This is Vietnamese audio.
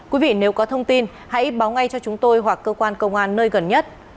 quý vị nếu có thông tin hãy báo ngay cho chúng tôi hoặc cơ quan công an nơi gần nhất